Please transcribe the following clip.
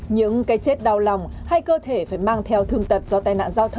những cái chết đau lòng hay cơ thể phải mang theo thương tật do tai nạn giao thông khi mà tuổi đời còn rất trẻ